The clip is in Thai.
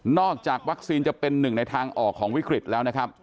จากวัคซีนจะเป็นหนึ่งในทางออกของวิกฤตแล้วนะครับ